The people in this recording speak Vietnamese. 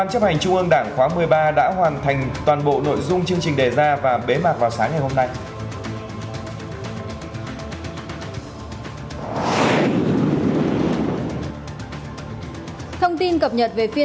hãy đăng ký kênh để ủng hộ kênh của chúng mình nhé